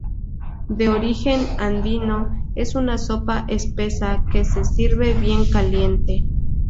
De origen andino, es una sopa espesa que se sirve bien caliente.